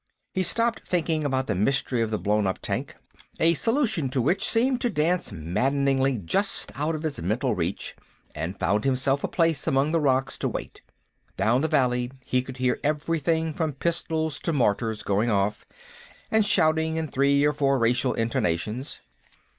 He stopped thinking about the mystery of the blown up tank, a solution to which seemed to dance maddeningly just out of his mental reach, and found himself a place among the rocks to wait. Down the valley he could hear everything from pistols to mortars going off, and shouting in three or four racial intonations.